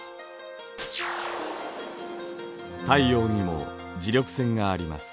太陽にも磁力線があります。